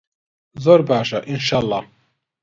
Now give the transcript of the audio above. زۆر باشە ئینشەڵا.